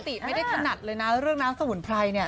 ปกติไม่ได้ถนัดเลยนะเรื่องน้ำสมุนไพรเนี่ย